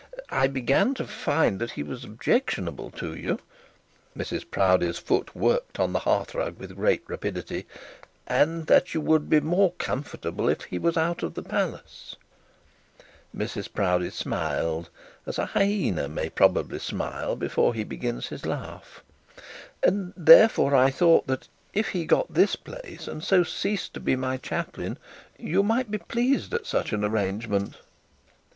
'I began to find that he was objectionable to you,' Mrs Proudie's foot worked on the hearth rug with great rapidity, 'and that you would be more comfortable if he was out of the palace,' Mrs Proudie smiled, as a hyena may probably smile before he begins his laugh, 'and therefore I thought that if he got this place, and so ceased to be my chaplain, you might be pleased at such an arrangement.'